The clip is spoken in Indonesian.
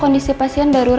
kondisi pasien darurat